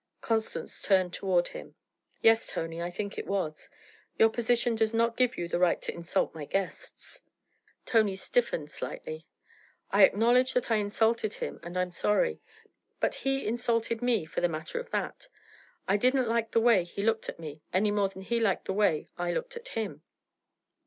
Constance turned toward him. 'Yes, Tony, I think it was. Your position does not give you the right to insult my guests.' Tony stiffened slightly. 'I acknowledge that I insulted him, and I'm sorry. But he insulted me, for the matter of that. I didn't like the way he looked at me, any more than he liked the way I looked at him.'